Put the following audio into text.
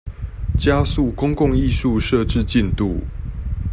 加速公共藝術設置進度